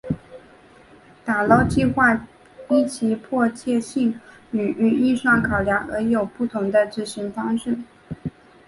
打捞计画依其迫切性与预算考量而有不同的执行方式。